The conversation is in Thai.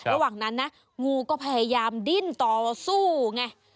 ระหว่างนั้นนะงูก็พยายามดิ้นต่อสู้ไง